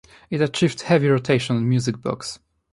It achieved heavy rotation on "Music Box".